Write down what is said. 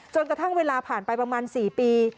กระทั่งเวลาผ่านไปประมาณ๔ปี